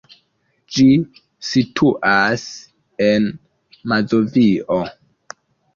Ĝi situas en Mazovio.